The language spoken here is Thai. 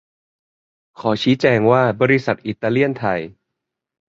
ขอชี้แจงว่า บริษัทอิตาเลียนไทย